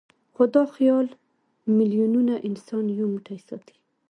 خو دا خیال میلیونونه انسانان یو موټی ساتي.